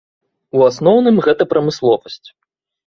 У асноўным гэта прамысловасць.